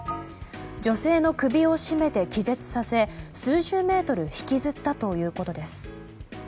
女性の首を絞めて気絶させ数十メートル引きずったということです。